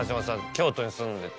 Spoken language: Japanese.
京都に住んでて。